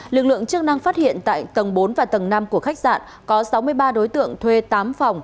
lực lượng chức năng phát hiện tại tầng bốn và tầng năm của khách sạn có sáu mươi ba đối tượng thuê tám phòng